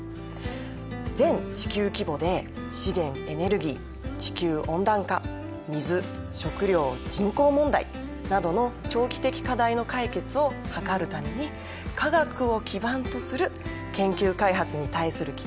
全地球規模で資源エネルギー地球温暖化水食料人口問題などの長期的課題の解決を図るために化学を基盤とする研究開発に対する期待が今とっても高まってきているんです。